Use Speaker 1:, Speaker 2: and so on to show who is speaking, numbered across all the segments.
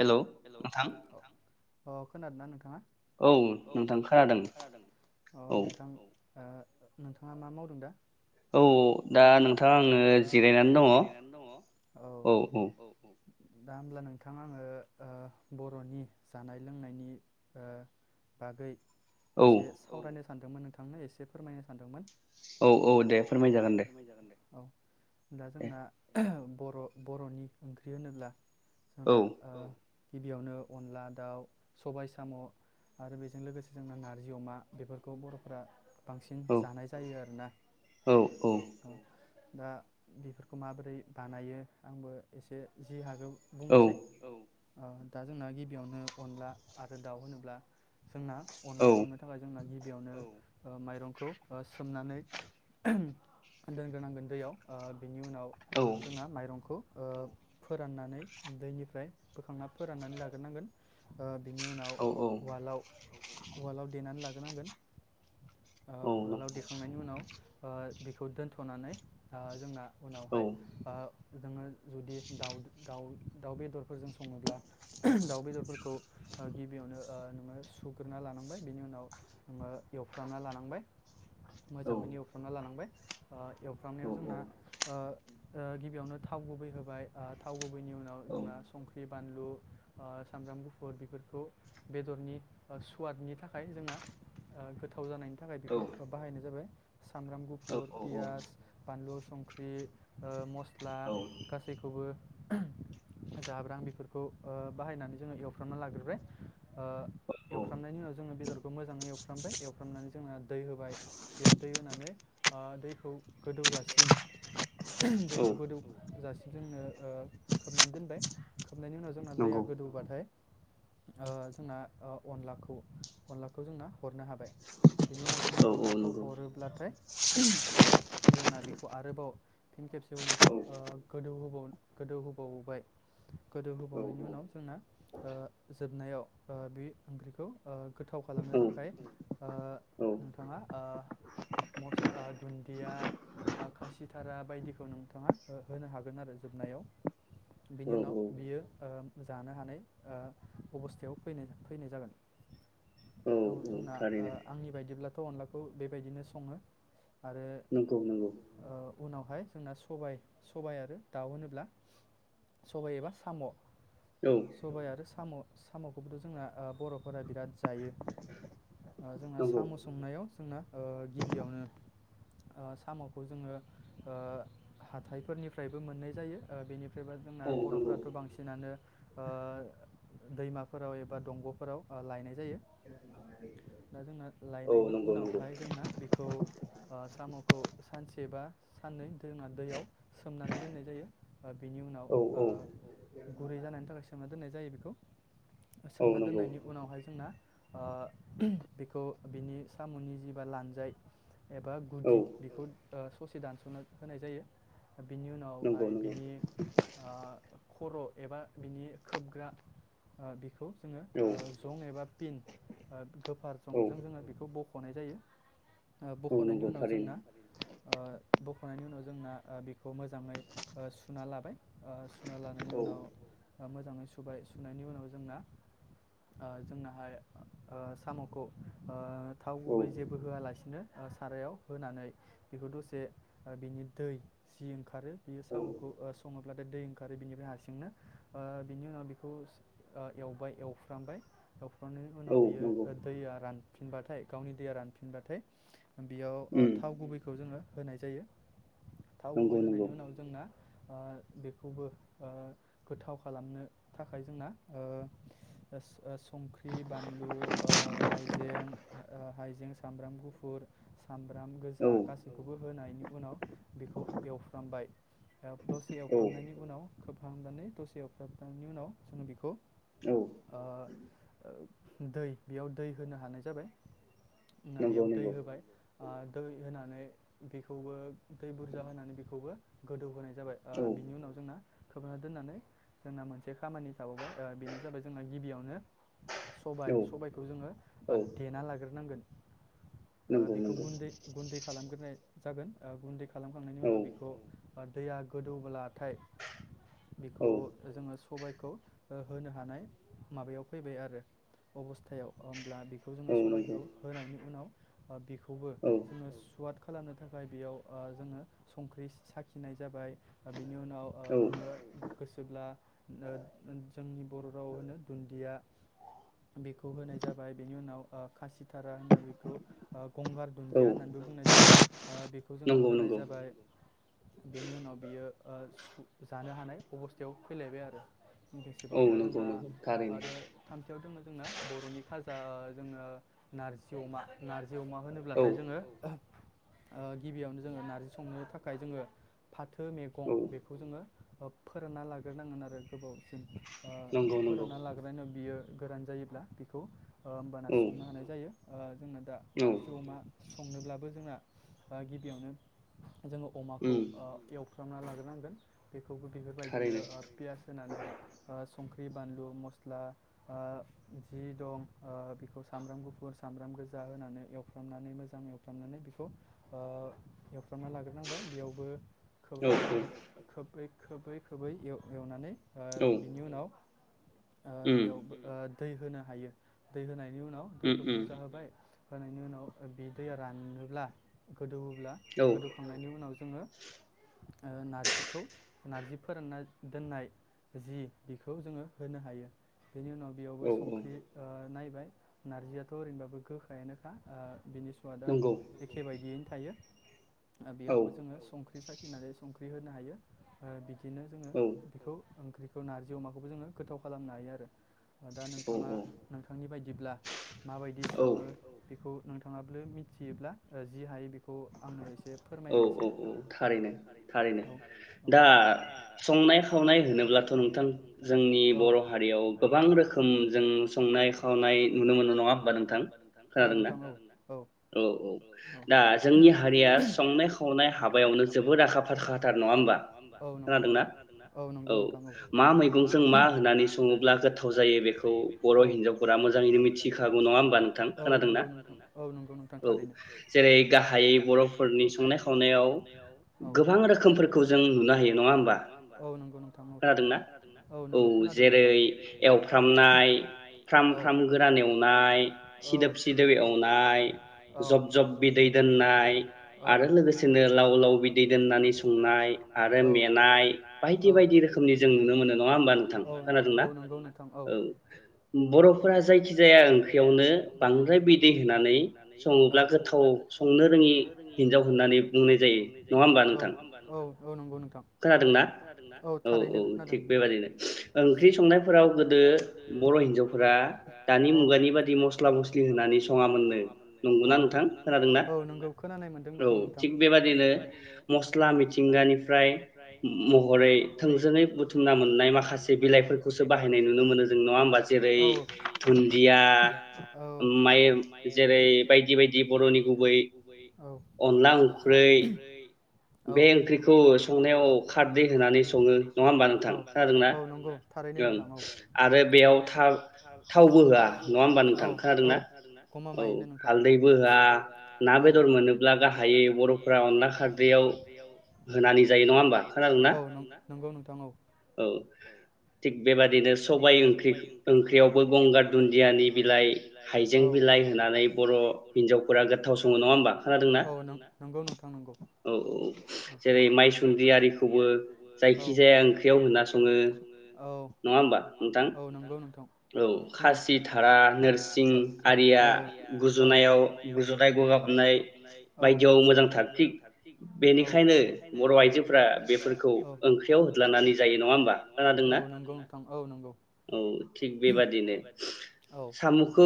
Speaker 1: Hello नोंथां
Speaker 2: खोनादो ना नोंथाङा?
Speaker 1: औ नोंथां खोनादों औ
Speaker 2: नोंथाङा मा मावदों दा
Speaker 1: औ दा नोंथा आङो जिरायनानै दङ औ औ
Speaker 2: दामला न थां आङो ओ बर'नि जानाय लोंनायनि ओ बागै एसे सावरायनो सानदोंमोन नोंथांनो एसे फोरमायनो सानदोंमोन
Speaker 1: औ औ दे फोरमाय जागोन दे
Speaker 2: दा जोंना बर' बर'नि ओंख्रि होनोब्ला जना ओ गिबियावनो अनला दाउ सबाय साम' आरो बेजों लोगोसे जोंना नारजि अमा बेफोरखौ बर'फोरा बांसिन जानाय जायो आरोना औ औ दा बेफोरखौ माबोरै बानायो आंबो एसे जि हागौ बुंनोसै औ ओ दा जोंना गिबियावनो अनला आरो दाउ होनोब्ला जोंना अनला संनो थाखाय जोंना गिबियावनो औ ओ माइरंखौ सोमनानै दोनग्रोनांगोन दैयाव बिनि उनाव जोंना माइरंखौ ओ फोराननानै दैनिफ्राय बोखांना फोराननानै लाग्रोनांगोन ओ बिनि उनाव वालाव वालआव देनानै लाग्रोनांगोन ओ वालाव देखांनायनि उनाव ओ बेखौ दोनथ'नानै जोंना उनावहाय ओ जोङो जुदि दाउ दाउ दाउ बेदरफोरजों सङोब्ला दाउ बेदरफोरखौ गिबियावनो ओ नोङो सुग्रोना लानांबाय बिनि उनाव नोङो एवफ्रामना लानांबाय मोजाङै एवफ्रामना लांनांबाय ओ एवफ्रामनायाव जोंना ओ ओ गिबियावनो थाव गुबै होबाय ओ थाव गुबैनि उनाव जोंना संख्रि बानलु ओ सामब्राम गुफुर बेफोरखौ बेदरनि सुवादनि थाखाय जोंना ओ गोथाव जानायनि थाखाय बेखौ बाहायनाय जाबाय। सामब्राम गुफुर पियाज बानलु संख्रि ओ मस स्ला गासैखौबो [unintelligible] जाब्रां बेफोरखौ ओ बाहायनानै जोङो एवफ्रामना लाग्रोबाय ओ एवफ्रामनायनि उनाव जोङो बेदरखौ मोजाङै एवफ्रामबाय एवफ्रामनानै जोंङो दै होबाय बेयाव दै होनानै ओ दैखौ गोदौजासिम दैखौ गोदौजासिम जोङो ओ खोबनानै दोनबाय खोबनायनि उनाव जोंना दैया गोदौबाथाय ओ जोंना ओ अनलाखौ अनलाखौ जोंना हरनो हाबाय बेनि उनाव जोंना अनलाखौ हरोब्लाथाय जोंना बेखौ आरोबाव फिन खेबसेबो बिखौ ओ गोदौ होबाव गोदौ बायबाय गोदौ होबावनायनि उनाव जोंना ओ जोबनायाव ओ बे ओंख्रिखौ ओ। गोथाव खालामनो थाखाय ओ नोंथाङा ओ मस ओ दुन्दिया ओ खासिथारा बायदि खौ नोंथाङा ओ होनो हागोन आरो जोबनायाव बिनि उनाव बियो ओ। जानो हानाय ओ अबस्थायाव फै फैनाय जागोन। औ जोंना ओ आंनि बायदिब्ला थ' अनलाखौ बेबायदिनो सङो आरो ओ। उनावहाय जोंना सबाइ सबाइ आरो दाउ होनोब्ला सबाय एबा साम'। सबाय आरो साम'। साम'खौबोथ' जोंना ओ बर'। फोरा बिराद जायो ओ जोंना साम' सोमनायाव जोंना ओ गिबियावनो ओ साम'खौ जोङो ओ हाथाइफोरनिफ्रायबो मोननाय जायो। ओ बेनि फ्रेबा जोंना बर'फोराथ' बांसिनानो ओ दैमाफोराव एबा दंग'फोराव ओ लायनाय जायो दा जोंना लायनायनि उनावहाय जोंना बेखौ ओ साम'खौ सानसे बा साननै जोंना दैयाव सोमनानै दोननाय जायो। ओ बिनि उनाव ओ गुरै जानायनि थाखाय सोमोनना दोननाय। जायो बेखौ सोमना दोननायनि उनावहाय जोंना ओ बेखौ बिनि साम'नि जिबा लानजाय एबा गुदि बिखौ ओ दसे दानस'नो होनाय जायो। बिनि उनावहाय बिनि खर' एबा बिनि खोबग्रा ओ बिखौ जों जं एबा पिन ओ गोफार जंजों जोङो बेखौ बख खनाय जायो ओ बख'नायनि उनाव जोंना ओ खांनायनि उनाव जोंना बेखौ मोजाङै ओ सुना लाबाय ओ सुना लानायनि उनाव मोजाङै सुबाय सुनायनि उनाव जोंना जोंनाहाय ओ साम'खौ ओ थाव गुबै जेबो होआलासिनो सारायाव होनानै बेखौ दसे बिनि दै सि ओंखारो बियो साम'खौ सङोब्लाथाय दै ओंखारो बिनिफ्राय हारसिंनो बिनि उनाव ओ बेखौ एवबाय एवफ्रामबाय थख'नायनि उनाव बियो दैया रान फिनबाथाय गावनि दैया रानफिनबाथाय बेयाव थाव गुबैखौ जोङो होनाय जायो थाव गुबै होनायनि उनाव आं बेखौबो गोथाव खालामनो थाखाय जोंना ओ [unintelligible] संख्रि बानलु ओ हाइजें हाइजें सामब्राम गुफुर सामब्राम गोजा गासैखौबो होनायनि उनाव बेखौ एवफ्रामबाय दसे एवफ्रामनायनि उनाव खोबहांनानै दसे अफथाबांनायनि उनाव जोङो बेखौ आ दै बेयाव दै होनो हानाय जाबाय ना बेयाव दै होबाय दै होनानै बेखौबो दै बुरजा होनानै बेखौबो गोदौ होनाय जाबाय ओ बिनि उनाव जोंना खोबा दोननानै जोंना मोनसे खामानि थाबावबाय बेनो जाबाय जोंना गिबियावनो सबाय सबायखौ जोङो देना लाग्रोनांगोन। ओ बेखौ गुन्दै गुन्दै खालामग्रोनाय जागोन गुन्दैेखो खालामखांनायनि उनाव बेखौ बा दैया गोदौब्लाथाय बेखौ जोङो सबायाइखौ ओ होनो हानाय माबायाव फैबाय आरो अबस्थायाव ओं अब्ला बेखौ जोङो सबायखौ होनायनि उनाव बेखौबो जोङो सुवाद खालामनो थाखाय बेयाव ओजोङो संख्रि साखिनाय जाबाय बिनि उनाव ओ नोङो गोसोब्ला ओ जोंनि बर' राव होनो दुन्दिया। बेखौ होनाय जाबाय बेनि उनाव ओ खासि थारा होनो बेखौ गंगार दुन्दिया होननानैबो बुंनाय जायो बेखौ जोङो होनाय जाबाय। बेनि उनाव बेयो ओ- जानो हानाय अबस्थायाव फैलायबाय आरो। केेसेबाव दा जोंना आरो थामथियाव दोङो जोंना बर'नि काज जा जोङो ओ नारजि अमा। जिअमा होनोब्लाथाय जोङो। ओ गिबियावनो जोङो नारजि संनो था खाय जोङो फाथो। मैगं बेखौ जोङो। फोरानना लाग्रोनांगोन आरो गोबावसिम फोरोंना लाग्रोनायनि उनाव बियो। गोरान जायोब्ला बेखौ होमबाना संनो हानाय जायो। जोंना दा नारजि अमा। संनोब्लाबो जोंना गिबियावनो जोङो अमाखौ एव फ्रामना लाग्रोनांगोन बेखौबो बेफोरबायदिनो पियास होनानै ओ संख्रि बानलु मस्ला ओ जि दं ओ बेखौ सामब्राम गुफुर सामब्राम गोजा होनानै एवफ्रामनानै मोजां एवफ्रामनानै बेखौ ओ एवफ्रामना ला नांबाय बेयावबो खोबहाब खोबहाब खोबै खोबै खोबै एव -एवनानै ओ बिनि उनाव ओ बेयावबो ओ दै होनो हायो दै होनाय नि उनाव दैखौ बुरजा होबाय होनायनि उनाव बे दैया रानोब्ला गोदौ गोदौ बेनि उनाव जोङो ओ नार्जिखौ नार्जि फोरानना दोननाय जि बेखौ जोङो होनो हायो ‌‌ बेनि उनाव बेयावबो संख्रि नायबाय नारजियाथ' ओरैनोबाबो गोखायानोखा बिनि स्वादा एखे बायदियैनो थायो ‌। बेयावबो जोङो संख्रि साख्रि फिनानै संख्रि होनो हायो ओ बि बिदिनो जोङो बेखौ ओंख्रि थ' नारजि अमाखौबो जोङो गोथाव खालामनो हायो आरो ‌। दा नोंथाङा नोंथांनि बायदिब्ला माबायदि सङो बेखौ नोंथां थाङाब्ला मिथियोब्ला ओ जि हायो बे खौ आंनो एसे फोरमायनायसाय औ औ औ थारैनो थारैनो औ दा संनाय खावनाय होनोब्लाथ' नोंथां जोंनि बर' हारियाव गोबां रोखोम जों संनाय खावनाय नुनो मोनो नङा होनबा नोंथां औ नोंथां औ
Speaker 1: औ औ दा जोंनि हारिया
Speaker 2: औ नंगौ नोंथां औ नंगौ नोंथां औ औ नंगौ नोंथां औ नं
Speaker 1: औ जेरै गाहायै बर'फोरनि
Speaker 2: औ नंगौ नोंथां थारैनो औ नंगौ नोंथां औ औ औ
Speaker 1: जब जब बिदै दोननाय आरो
Speaker 2: औ औ औ नंगौ नोंथां
Speaker 1: अनला गोथाव संनो रोंङि हिनजाव
Speaker 2: औ औ औ नंगौ नों। औ थारैनो खोनादों नोंथां औ औ औ नंगौ खोनानाय मोनदों नों
Speaker 1: औ थिग बेबादिनो मस्ला मिथिंगानिफ्राय
Speaker 2: औ औ औ औ
Speaker 1: अनला ओंख्रै
Speaker 2: औ औ औ नंगौ थारैनो नोंथां औ औ गमामायैनो नोंथां औ ला गाहायै बर'फ्रा
Speaker 1: ख्रियाव होनानै जायो नङा होमबा खोनादोंना औ थिग बेबादिनो सबाय ओंख्रि ओंख्रियावबो गंगार दुन्दियानि बिलाइ हाइजें बिलाइ होनानै बर' हिनजावफोरा गोथाव सङो नङा होमबा खोनादोंना?
Speaker 2: नंगौ नोंथां नंगौ।
Speaker 1: औ औ जेरै माइसुनद्रि आरिखौबो जायखिजाया ओंख्रियाव होनना सङो नङा होमबा नोंथां औ खासि थारा नोरसिं आरिया गुजुनायाव गुजुनाय गगा मोननाय बायदियाव।
Speaker 2: बायदिआव मोजांथार औ बेनिखायनो बर' आइजोफोरा बेफोरखौ ओंख्रियाव होरलानानै जायो नङा होनबा औ नोंथां औ नंगौ औ बेबादिनो औ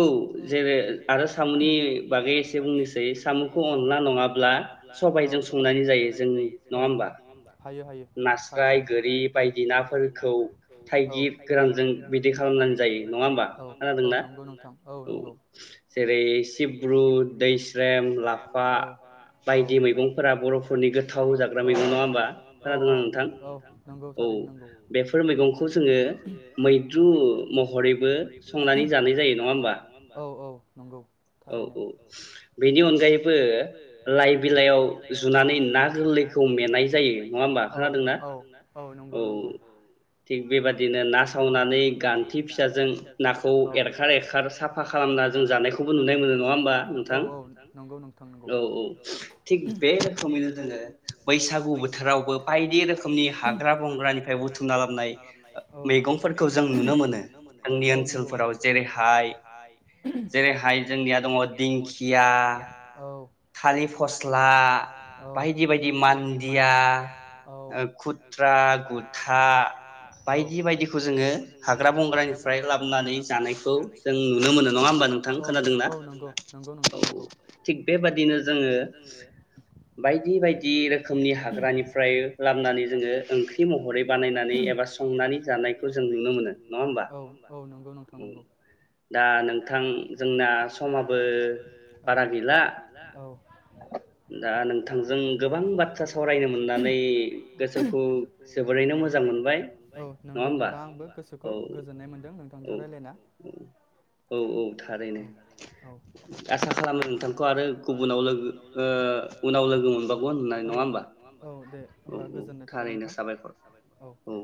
Speaker 2: साम'खौ जेर आरो साम'नि बागै एसे बुंनोसै सामखौ
Speaker 1: ब्ला सबाइजों
Speaker 2: संनानै जायो जों औ नङा होनबा हायो हायो थारै नास्राय गोरि बायदि नाफोरखौ औ बायदि गोरानजों बिदि खालामनानै जायो औ नंङा होनबा औ नंगौ नोंथां औ नंगौ जेरै सिब्रु दैस्रम औ।
Speaker 1: बायदि मैगं
Speaker 2: मैगंफोरा बर'फोरनि गोथाव्रा मैगं नङा औ औ औ नंगौ थारैनो नौ बेफोर मैगंखौ जोङो मैद्रु महरैबो संनानै जानाय जायो नङा होमबा औ औ। नंगौ
Speaker 1: औ औ बेनि अनगायैबो लाइ बिलाइयाव जुनानै ना गोरलैखौ मेंनाय जायो नङा होमबा खोनादोंना? औ थिग बेबादिनो ना सावनानै गान्थि फिसाजों नाखौ एरखार एरखार साफा खालामना जों जानायखौबो नुनाय मोनो नङा होमबा नोंथां औ औ थिग बे रोखोमैनो जोङो बैसागु बोथोरावबो बायदि रोखोमनि हाग
Speaker 2: जोंनि हाग्रा बंग्रानिफ्राय बुथुमना लाबनाय औ मैगंफोरखौ जों नुनो मोनो औ नंगौ ओनसोलफोराव जेरै जेरैहाय जोंनिया दङ दिंखिया औ थालिर फस्ला औ बायदि बायदि मान्दिया औ खुथ्रा औ हा औ बायदि बायदिखौ जोङो हाग्रा बंग्रानिफ्राय लाबोनानै जानायखौ जों नुनो मोनो नङा होनबा औ नंगौ नोंथां नंगौ।
Speaker 1: बेबादिनो जोङो बायदि बायदि रोखोमनि हाग्रानिफ्राय लाबोनानै जोङो ओंख्रि महरै बानायनानै एबा संनानै जानायखौ जों नुनो मोनो नङा होमबा दा नोंथां जोंना समाबो बारा गैला। दा नोंथांजों गोबां बाथ्रा सावरायनो मोननानै गोसोखौ जोबोरैनो मोजां मोनबाय नङा होनबा औ औ औ औ औ थारैनो आसा खालामो नोंथांखौ आरो। गुबुनाव लोगो औ उनाव लोगो मोनबावगौ होननाय नङा होमबा औ औ थारैनो साबायखर औ